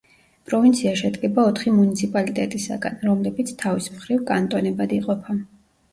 პროვინცია შედგება ოთხი მუნიციპალიტეტისაგან, რომლებიც თავის მხრივ კანტონებად იყოფა.